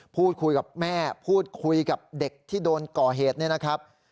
พูดคุยกับแม่พูดคุยกับเด็กที่โดนก่อเหตุเนี่ยนะครับ